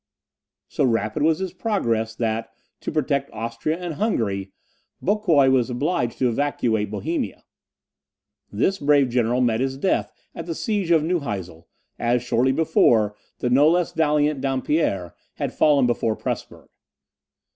So rapid was his progress that, to protect Austria and Hungary, Boucquoi was obliged to evacuate Bohemia. This brave general met his death at the siege of Neuhausel, as, shortly before, the no less valiant Dampierre had fallen before Presburg.